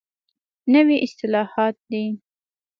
نوي اصطلاحات دي.